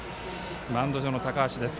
マウンド上の高橋です。